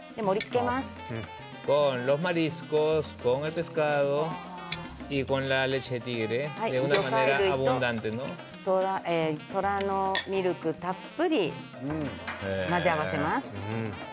魚介類と虎のミルクたっぷり混ぜ合わせます。